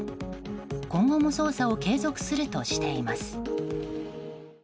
今後も捜査を継続するとしています。